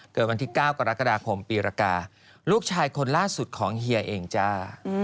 เกิดวันที่๙กรกฎาคมปีรกาลูกชายคนล่าสุดของเฮียเองจ้า